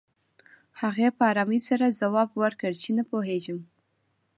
هغې په ارامۍ سره ځواب ورکړ چې نه پوهېږم